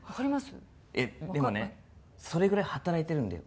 でもね、それぐらい働いてるんですよ。